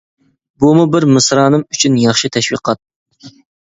بۇمۇ بىر مىسرانىم ئۈچۈن ياخشى تەشۋىقات.